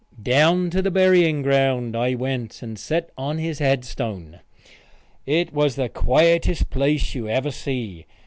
Down to the burying ground I went and set on his headstone. It was the quietest place you ever see.